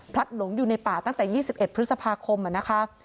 หลงอยู่ในป่าตั้งแต่๒๑พฤษภาคมนะคะ